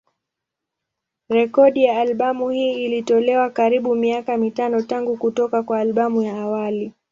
Rekodi ya albamu hii ilitolewa karibuni miaka mitano tangu kutoka kwa albamu ya awali.